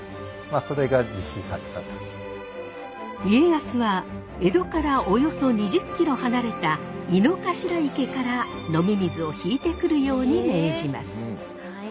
家康は江戸からおよそ２０ｋｍ離れた井の頭池から飲み水を引いてくるように命じます。